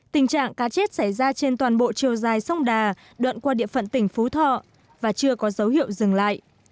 tình trạng cá chết xảy ra trên toàn bộ chiều dài sông đà đoạn qua địa phận tỉnh phú thọ và chưa có dấu hiệu dừng lại